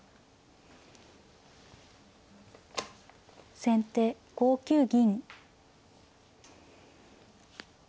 先手５九銀。